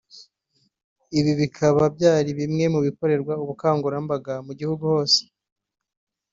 ibi bikaba byari bimwe mu bikorerwa ubukangurambaga mu gihugu hose